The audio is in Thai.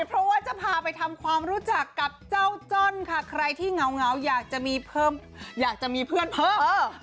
เพราะว่าจะพาไปทำความรู้จักกับเจ้าจ้อนค่ะใครที่เหงาอยากจะมีเพิ่มอยากจะมีเพื่อนเพิ่ม